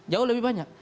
jauh lebih banyak